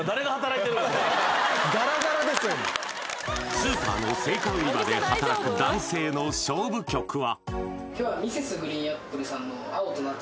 スーパーの青果売り場で働く男性の勝負曲は？